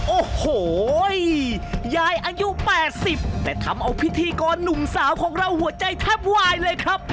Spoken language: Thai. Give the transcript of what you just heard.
โอ้โหยายอายุ๘๐แต่ทำเอาพิธีกรหนุ่มสาวของเราหัวใจแทบวายเลยครับ